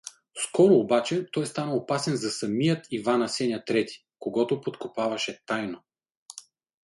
Скоро обаче той стана опасен за самият Иван-Асеня трети, когото подкопаваше тайно.